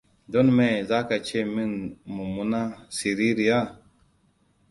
Don me za ka ce min mummuna siririya?